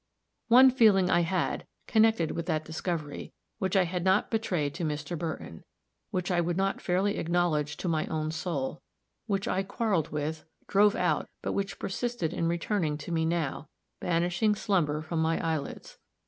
One feeling I had, connected with that discovery, which I had not betrayed to Mr. Burton which I would not fairly acknowledge to my own soul which I quarreled with drove out but which persisted in returning to me now, banishing slumber from my eyelids.